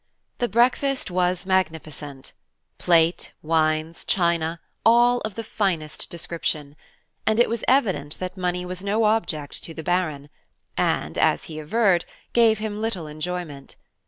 The breakfast was magnificent; plate, wines, china, all of the finest description; and it was evident that money was no object to the Baron, and, as he averred, gave him little enjoyment.